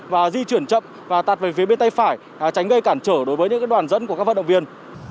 và di chuyển chậm và tạt về phía bên tay phải tránh gây cản trở đối với những đoàn dẫn của các vận động viên